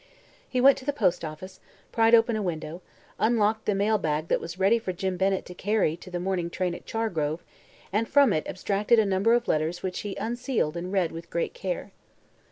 He went to the postoffice, pried open a window, unlocked the mail bag that was ready for Jim Bennett to carry to the morning train at Chargrove and from it abstracted a number of letters which he unsealed and read with great care.